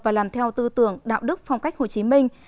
và làm theo tư tưởng đạo đức phong cách hồ chí minh